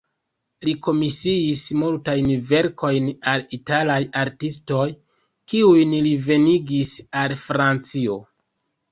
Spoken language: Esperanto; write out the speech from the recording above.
Li komisiis multajn verkojn al italaj artistoj, kiujn li venigis al Francio.